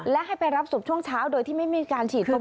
และให้ไปรับศพช่วงเช้าโดยที่ไม่มีการฉีดวัคซีน